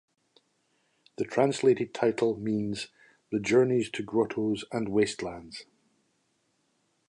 The translated title means "The Journeys to Grottoes and Wastelands".